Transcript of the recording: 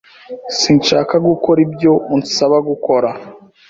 Sinshaka gukora ibyo unsaba gukora.